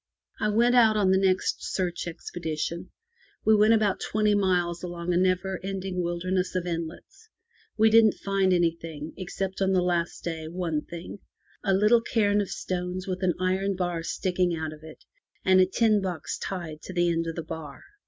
I went out on the next search expedition. We went about twenty miles along a never ending wilderness of inlets. We didn't find anything, except on the last day one thing— a little cairn of stones with an iron bar sticking out of it, and a tin box tied to the end of the bar.